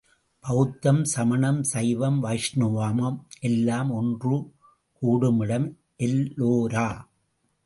பௌத்தம், சமணம், சைவம், வைஷ்ணவம் எல்லாம் ஒன்று கூடுமிடம் எல்லோரா.